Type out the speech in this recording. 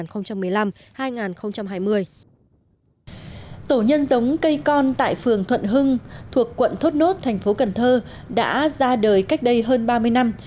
tổ nhân giống cây con tại phường thuận hưng thuộc quận thốt nốt thành phố cần thơ đã ra đời cách đây hơn ba mươi năm